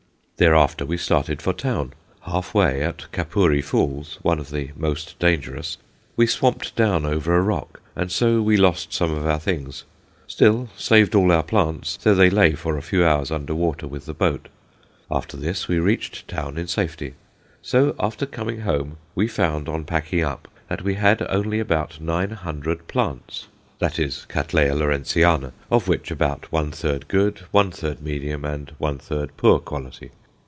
Thereafter we started for town. Halfway, at Kapuri falls (one of the most dangerous), we swamped down over a rock, and so we lost some of our things; still saved all our plants, though they lay for a few hours under water with the boat. After this we reached town in safety. So after coming home we found, on packing up, that we had only about 900 plants, that is, Cattleya Lawrenceana, of which about one third good, one third medium, and one third poor quality.